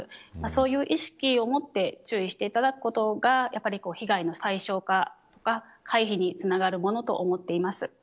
そういう意識を持って注意していただくことが被害の最小化や回避につながると思っています。